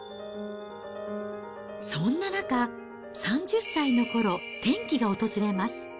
そんな中、３０歳のころ、転機が訪れます。